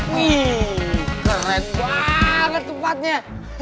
wih keren banget tempatnya